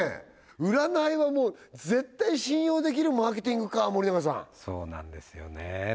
占いはもう絶対信用できるマーケティングか森永さんそうなんですよね